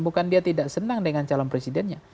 bukan dia tidak senang dengan calon presidennya